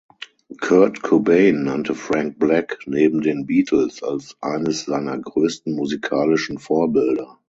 Kurt Cobain nannte Frank Black neben den Beatles als eines seiner größten musikalischen Vorbilder.